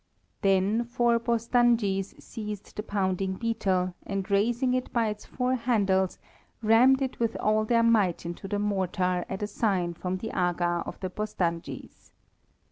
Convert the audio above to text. Then four Bostanjis seized the pounding beetle, and raising it by its four handles, rammed it with all their might into the mortar at a sign from the Aga of the Bostanjis.